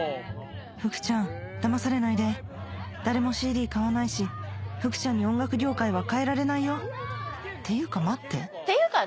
福ちゃんだまされないで誰もＣＤ買わないし福ちゃんに音楽業界は変えられないよていうか待ってていうかね